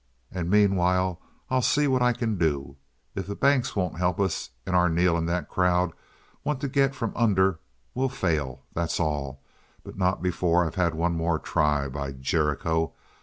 And meanwhile I'll see what I can do. If the banks won't help us and Arneel and that crowd want to get from under, we'll fail, that's all; but not before I've had one more try, by Jericho!